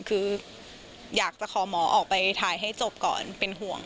คืออยากจะขอหมอออกไปถ่ายให้จบก่อนเป็นห่วง